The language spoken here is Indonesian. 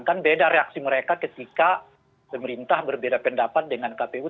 kan beda reaksi mereka ketika pemerintah berbeda pendapat dengan kpu